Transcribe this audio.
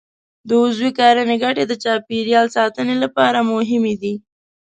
د عضوي کرنې ګټې د چاپېریال ساتنې لپاره مهمې دي.